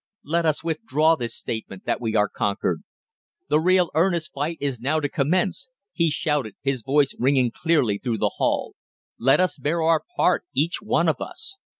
Let us withdraw this statement that we are conquered. The real, earnest fight is now to commence," he shouted, his voice ringing clearly through the hall. "Let us bear our part, each one of us.